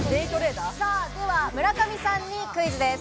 村上さんにクイズです。